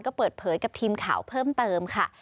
ก็เปิดเผยกับทีมข่าวเพิ่มเติมค่ะ